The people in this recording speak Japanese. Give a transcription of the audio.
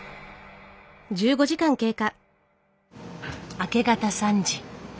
明け方３時。